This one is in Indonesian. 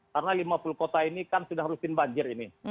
karena lima puluh kota ini kan sudah rusin banjir ini